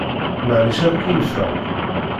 Maɛlic ad keyyfeɣ?